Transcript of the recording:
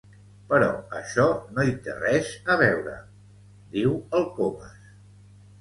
Però això no hi té res a veure —diu el Comas.